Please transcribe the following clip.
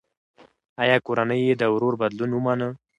ایا کورنۍ یې د ورور بدلون ومنه؟